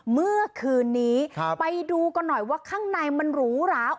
เมื่อคืนนี้ไปดูกันหน่อยว่าข้างในมันหรูหราว